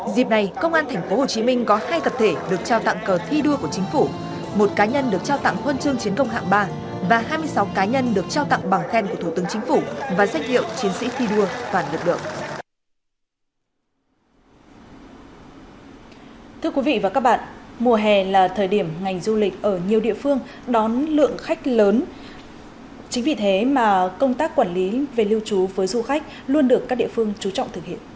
dịp này công an tp hcm có hai cập thể được trao tặng cờ thi đua của chính phủ một cá nhân được trao tặng huân chương chiến công hạng ba và hai mươi sáu cá nhân được trao tặng bằng khen của thủ tướng chính phủ và sách hiệu chiến sĩ thi đua và lực lượng